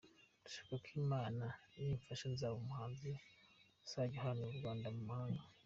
Ndashaka ko Imana nimfasha nzaba umuhanzi uzajya uhagararira u Rwanda mu mahanga.